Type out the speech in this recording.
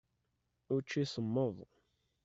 Učči semmeḍ.